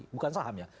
bukan saham ya